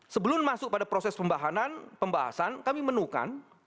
sebelum masuk pada proses pembahasan pembahasan kami menukan